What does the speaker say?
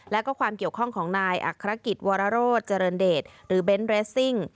และก็ความเกี่ยวข้องของนายอักษรกิจวรโรธเจริญเดชหรือเบนท์เรสซิ่ง